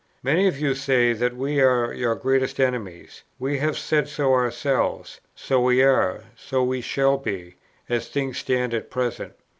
Many of you say that we are your greatest enemies; we have said so ourselves: so we are, so we shall be, as things stand at present.